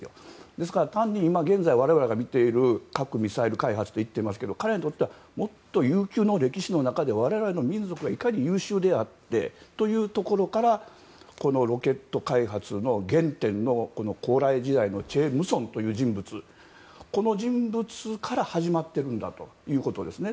ですから今、現在我々が核・ミサイル開発と言っていますが彼らにとってはもっと悠久の歴史の中で我々の民族がいかに優秀であってというところからロケット開発の原点の高麗時代のチェ・ムソンという人物から始まっているんだということですね。